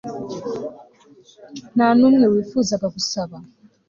nta n'umwe wifuzaga gusaba